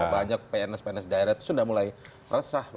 banyak pns pns daerah itu sudah mulai resah